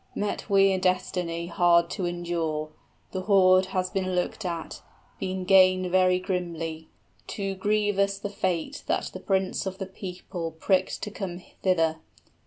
Met we a destiny Hard to endure: the hoard has been looked at, Been gained very grimly; too grievous the fate that The prince of the people pricked to come thither.